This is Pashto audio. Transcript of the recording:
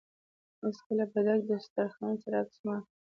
هېڅکله په ډک دوسترخان سره عکس مه اخله.